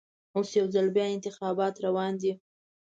اوس یوځل بیا انتخابات راروان دي.